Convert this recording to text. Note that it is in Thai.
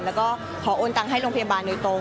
แล้วก็ขอโอนตังให้โรงพยาบาลโดยตรง